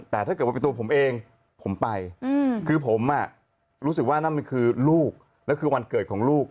แต่ถ้าเกิดว่าเป็นตัวผมเองผมไปคือผมรู้สึกว่านั่นมันคือลูกแล้วคือวันเกิดของลูก